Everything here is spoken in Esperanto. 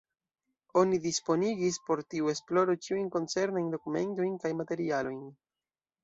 Oni disponigis por tiu esploro ĉiujn koncernajn dokumentojn kaj materialojn.